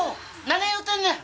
何言うてんねん！